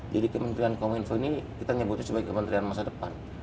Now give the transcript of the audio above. jadi kementerian kominfo ini kita nyebutnya sebagai kementerian masa depan